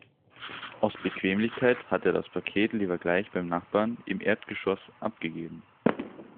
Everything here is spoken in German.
Aus Bequemlichkeit hat er das Paket lieber gleich beim Nachbarn im Erdgeschoss abgegeben.